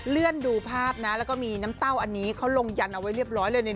เลื่อนดูภาพนะแล้วก็มีน้ำเต้าอันนี้เขาลงยันเอาไว้เรียบร้อยเลย